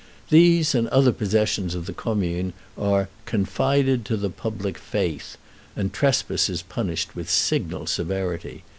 These and other possessions of the commune are "confided to the public faith," and trespass is punished with signal severity.